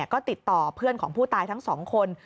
ก็ติดต่อเพื่อนของผู้ตายทั้งสองคน